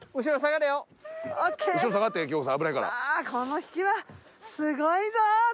この引きはすごいぞー！